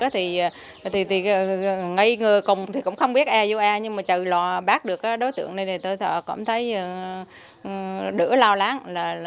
thì ngây ngơ cũng không biết a u a nhưng mà trừ lò bác được đối tượng này tôi cũng thấy đỡ lo lắng